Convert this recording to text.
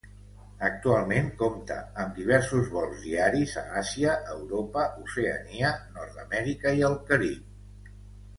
Actualment compta amb diversos vols diaris a Àsia, Europa, Oceania, Nord-amèrica i el Carib.